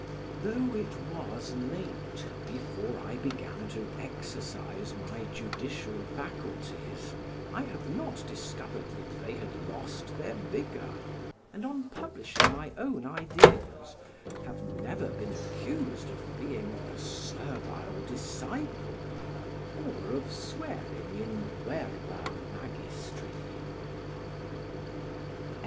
Though it was late before I began to exercise my judicial faculties, I have not discovered that they had lost their vigor, and on publishing my own ideas, have never been accused of being a servile disciple or of swearing 'in verba magistri'.